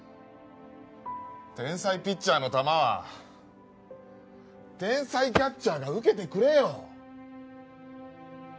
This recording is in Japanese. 天才ピッチャーの球は天才キャッチャーが受けてくれよ！